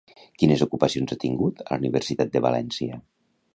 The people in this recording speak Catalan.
Quines ocupacions ha tingut a la Universitat de València?